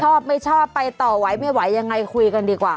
ชอบไม่ชอบไปต่อไหวไม่ไหวยังไงคุยกันดีกว่า